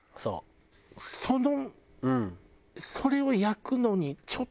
その。